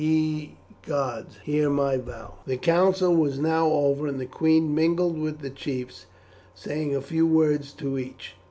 Ye gods, hear my vow." The council was now over, and the queen mingled with the chiefs, saying a few words to each.